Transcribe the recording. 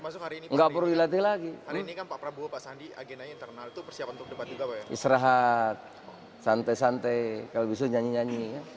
santai santai kalau bisa nyanyi nyanyi ya